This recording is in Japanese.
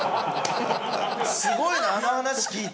すごいなあの話聞いて。